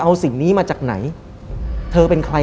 และไม่เคยเข้าไปในห้องมิชชาเลยแม้แต่ครั้งเดียว